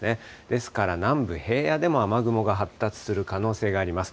ですから南部、平野でも雨雲が発達する可能性があります。